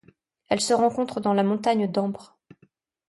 Elle se rencontre dans la Montagne d'Ambre.